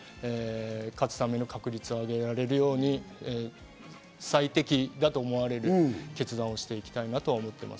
勝つために確率を上げられるように、最適だと思われる決断をしていきたいなと思ってます。